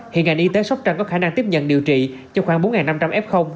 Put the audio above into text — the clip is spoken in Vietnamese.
hiện ngành y tế sóc trăng có khả năng tiếp nhận điều trị cho khoảng bốn năm trăm linh f